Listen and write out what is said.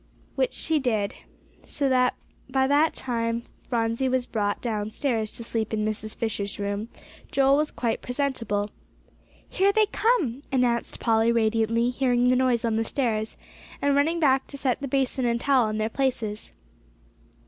Which she did; so that by the time Phronsie was brought downstairs to sleep in Mrs. Fisher's room, Joel was quite presentable. "Here they come!" announced Polly radiantly, hearing the noise on the stairs, and running back to set the basin and towel in their places.